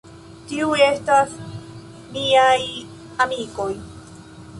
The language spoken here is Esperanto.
Tiuj estas miaj amikoj.